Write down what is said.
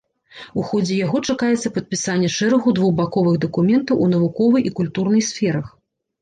У ходзе яго чакаецца падпісанне шэрагу двухбаковых дакументаў у навуковай і культурнай сферах.